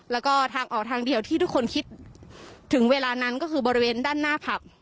แล้วก็ทางออกทางเดียวที่ทุกคนคิดถึงเวลานั้นก็คือบริเวณด้านหน้าผับ